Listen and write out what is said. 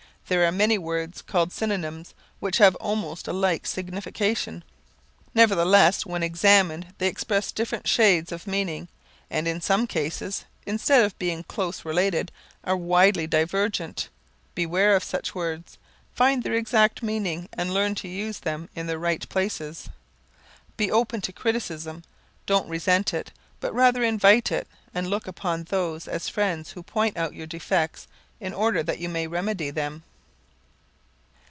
There are many words, called synonyms, which have almost a like signification, nevertheless, when examined they express different shades of meaning and in some cases, instead of being close related, are widely divergent. Beware of such words, find their exact meaning and learn to use them in their right places. Be open to criticism, don't resent it but rather invite it and look upon those as friends who point out your defects in order that you may remedy them.